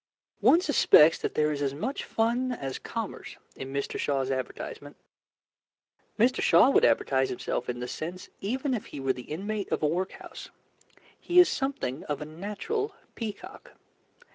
One suspects that there is as much fun as commerce in Mr. Shaw's advertisement. Mr. Shaw would advertise himself in this sense even if he were the inmate of a workhouse. He is something of a natural peacock.